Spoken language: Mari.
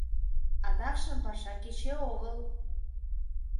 Адакшым паша кече огыл.